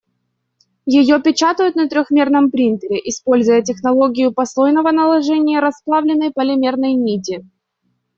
Её печатают на трёхмерном принтере, используя технологию послойного наложения расплавленной полимерной нити.